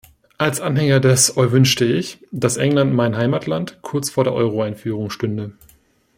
Als Anhänger des Euwünschte ich, dass England, mein Heimatland, kurz vor der Euroeinführung stünde.